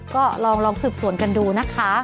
ก็ลองสืบสวนกันดูนะคะ